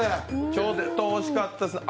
ちょっと惜しかったですね。